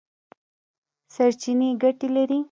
سرچینې ګټې لري.